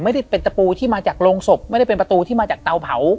ไม่ได้เป็นตะปูที่มาจากโรงศพไม่ได้เป็นประตูที่มาจากเตาเผา